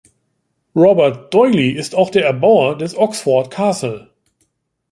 Robert D’Oyly ist auch der Erbauer des Oxford Castle.